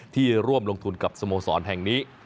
ที่ร่วมลงทุนกับสโมสรแห่งนี้